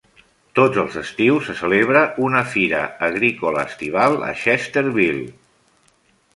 Tots els estius se celebra una fira agrícola estival a Chesterville.